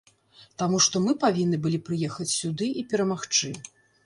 Таму што мы павінны былі прыехаць сюды і перамагчы.